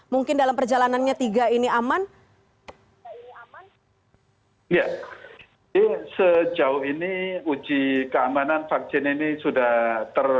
mungkin sejauh ini uji keamanan vaksin ini sudah diperlukan